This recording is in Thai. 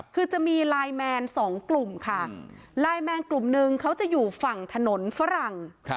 คือจะมีไลน์แมนสองกลุ่มค่ะไลน์แมนกลุ่มหนึ่งเขาจะอยู่ฝั่งถนนฝรั่ง